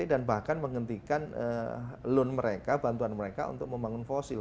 bahkan menghentikan loan mereka bantuan mereka untuk membangun fosil